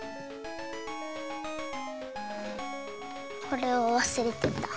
これをわすれてた。